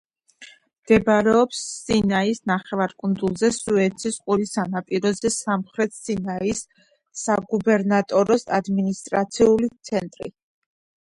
მდებარეობს სინაის ნახევარკუნძულზე, სუეცის ყურის სანაპიროზე, სამხრეთ სინაის საგუბერნატოროს ადმინისტრაციული ცენტრი.